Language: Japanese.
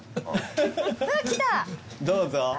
どうぞ。